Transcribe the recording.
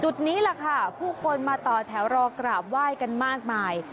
จุดนี้หล่ะคะผู้คนมาต่อแถวรอกราบว่ายกันมากมาย